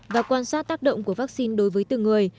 và quan sát tác động của vắc xin đối với từng người